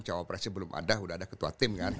cowopressnya belum ada udah ada ketua tim kan